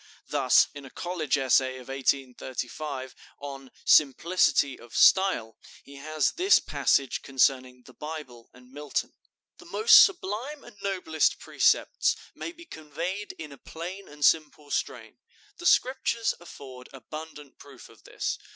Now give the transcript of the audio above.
Thus, in a college essay of 1835, on "Simplicity of Style," he has this passage concerning the Bible and Milton: "The most sublime and noblest precepts may be conveyed in a plain and simple strain. The Scriptures afford abundant proof of this.